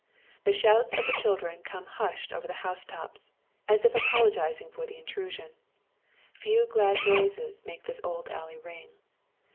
The shouts of the children come hushed over the house tops, as if apologizing for the intrusion. Few glad noises make this old alley ring.